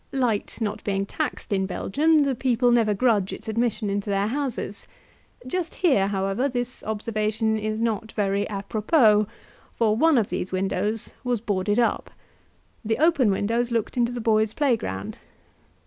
Light not being taxed in Belgium, the people never grudge its admission into their houses; just here, however, this observation is not very APROPOS, for one of these windows was boarded up; the open windows looked into the boys' playground.